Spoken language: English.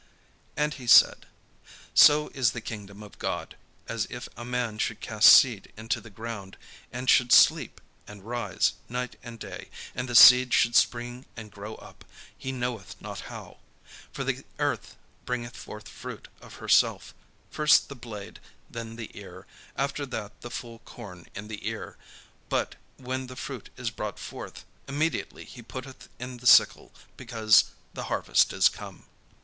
And he said: "So is the kingdom of God, as if a man should cast seed into the ground; and should sleep, and rise night and day, and the seed should spring and grow up, he knoweth not how. For the earth bringeth forth fruit of herself; first the blade, then the ear, after that the full corn in the ear. But when the fruit is brought forth, immediately he putteth in the sickle, because the harvest is come."